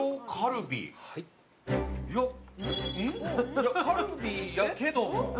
いや、カルビやけども。